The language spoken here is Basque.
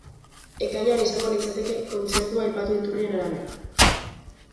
Ekainean izango litzateke kontzertua aipatu iturrien arabera.